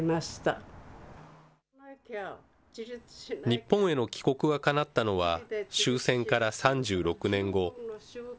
日本への帰国がかなったのは、終戦から３６年後。